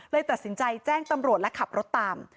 ตัดสินใจแจ้งตำรวจและขับรถตาม